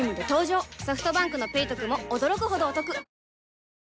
ソフトバンクの「ペイトク」も驚くほどおトク